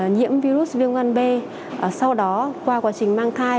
nhiễm virus viêm gan b sau đó qua quá trình mang thai